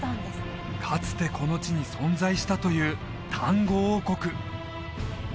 かつてこの地に存在したという丹後王国